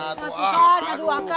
aduh tidak bisa